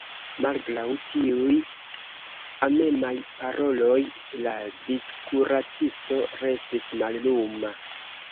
Malgraŭ tiuj amemaj paroloj, la vickuracisto restis malluma.